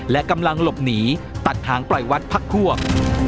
และกำลังหลบหนีตัดทางปล่อยวัดพักพวก